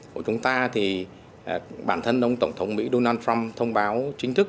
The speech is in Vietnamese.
của chúng ta thì bản thân ông tổng thống mỹ donald trump thông báo chính thức